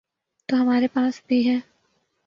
تو ہمارے پاس بھی ہے۔